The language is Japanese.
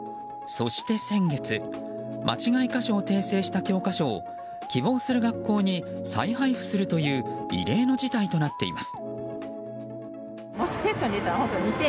そして先月間違い箇所を訂正した教科書を希望する学校に再配布するという異例の事態となっています。